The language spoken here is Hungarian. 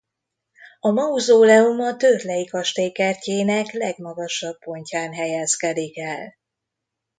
A mauzóleum a Törley-kastély kertjének legmagasabb pontján helyezkedik el.